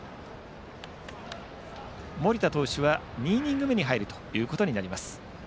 盛田投手は２イニング目に入ることになります。